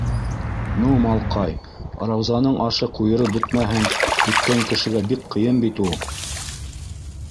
На, малҡай, Раузаның ашы ҡуйырып бөтмәһен, көткән кешегә бик-бик ҡыйын бит у...